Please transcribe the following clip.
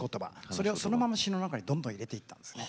それをそのまま詞の中にどんどん入れていったんですね。